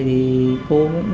thì cô cũng